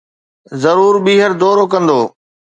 ضرور ٻيهر دورو ڪندو